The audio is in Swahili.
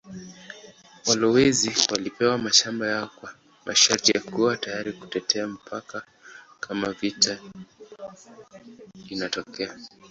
Walowezi walipewa mashamba yao kwa masharti ya kuwa tayari kutetea mipaka kama vita inatokea.